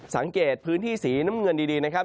สังเกตพื้นที่สีน้ำเงินดีนะครับ